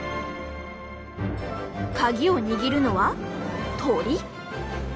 カギを握るのは鳥？